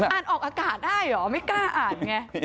อ่านออกอากาศได้เหรอไม่กล้าอ่านไง